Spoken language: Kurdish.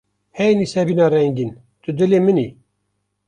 Hey Nisêbîna rengîn tu dilê min î.